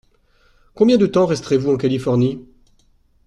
Combien de temps resterez-vous en Californie ?